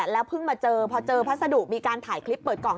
แล้วเพิ่งมาเจอพอเจอพัสดุมีการถ่ายคลิปเปิดกล่อง